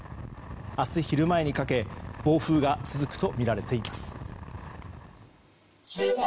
明日昼前にかけ暴風が続くとみられています。